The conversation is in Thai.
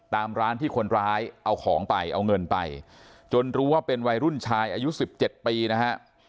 ตามร้านที่คนร้ายเอาของไปเอาเงินไปจนรู้ว่าเป็นวัยรุ่นชายอายุ๑๗ปีนะฮะ